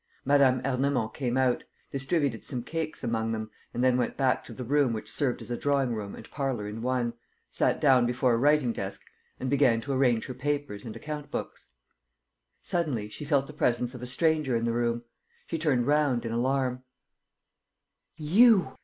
Mme. Ernemont came out, distributed some cakes among them and then went back to the room which served as a drawing room and parlor in one, sat down before a writing desk and began to arrange her papers and account books. Suddenly, she felt the presence of a stranger in the room. She turned round in alarm: "You!"